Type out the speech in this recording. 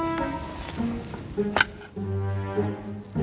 terima kasih mbak